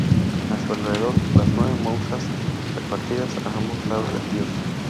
A su alrededor, las nueve musas, repartidas a ambos lados del dios.